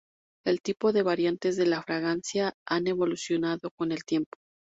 El tipo de variantes de la fragancia han evolucionado con el tiempo.